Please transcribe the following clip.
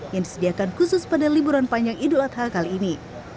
yang disediakan khusus pada liburan panjang idul adha kali ini